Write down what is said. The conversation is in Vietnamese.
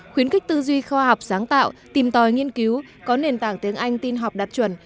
khuyến khích tư duy khoa học sáng tạo tìm tòi nghiên cứu có nền tảng tiếng anh tin học đạt chuẩn